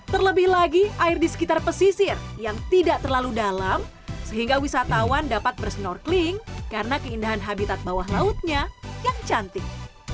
terlebih lagi air di sekitar pesisir yang tidak terlalu dalam sehingga wisatawan dapat bersnorkeling karena keindahan habitat bawah lautnya yang cantik